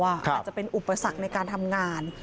อาจจะเป็นอุปสรรคในการทำงาน